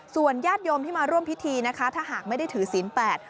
ส่วนญาติโยมที่มาร่วมพิธีนะคะถ้าหากไม่ได้ถือศีลแปด